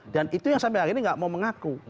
dan itu yang sampai hari ini tidak mau mengaku